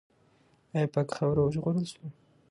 آیا پاکه خاوره وژغورل سوه؟